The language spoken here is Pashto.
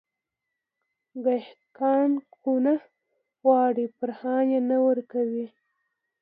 کیهان کونه غواړې.فرحان یی نه ورکوې